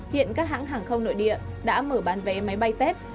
hiện các hãng hàng không nội địa đã mở bán vé máy bay tết